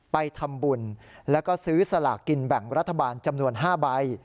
ไปทำบุญแล้วก็ซื้อสลากกินแบ่งรัฐบาลจำนวน๕ใบ